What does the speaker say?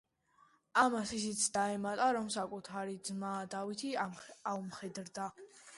ამას ისიც დაემატა, რომ საკუᲗარი Ძმა, დავითი, აუმხედრდა.